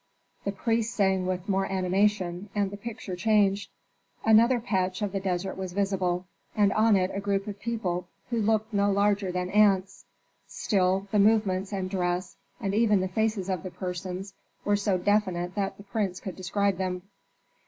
The priests sang with more animation and the picture changed. Another patch of the desert was visible, and on it a group of people who looked no larger than ants. Still the movements and dress, and even the faces of the persons were so definite that the prince could describe them.